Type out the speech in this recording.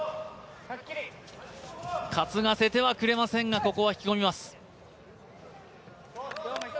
担がせてはくれませんが、ここは引き込みます。